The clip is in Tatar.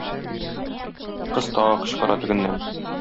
Кыз тагы кычкыра тегеннән.